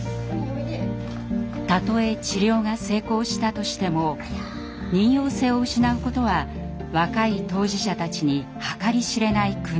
たとえ治療が成功したとしても妊よう性を失うことは若い当事者たちに計り知れない苦悩を抱かせます。